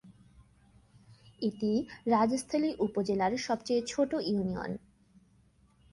এটি রাজস্থলী উপজেলার সবচেয়ে ছোট ইউনিয়ন।